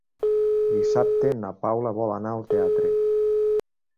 Dissabte na Paula vol anar al teatre.